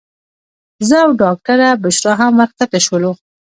زه او ډاکټره بشرا هم ورښکته شولو.